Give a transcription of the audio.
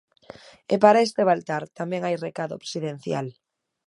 E para este Baltar tamén hai recado presidencial.